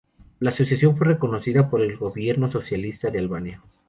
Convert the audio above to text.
La asociación fue reconocida por el gobierno socialista de Albania.